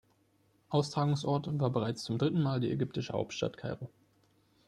Austragungsort war bereits zum dritten Mal die ägyptische Hauptstadt Kairo.